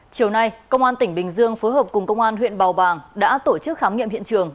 chiều nay công an tỉnh bình dương phối hợp cùng công an huyện bào bàng đã tổ chức khám nghiệm hiện trường